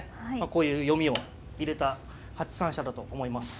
こういう読みを入れた８三飛車だと思います。